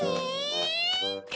え！